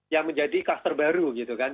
yang menjadi kluster baru gitu kan